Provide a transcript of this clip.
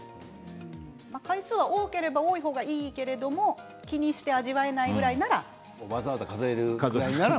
回数は多ければ多い程いいけれども気にして味わえなくなるぐらいなら。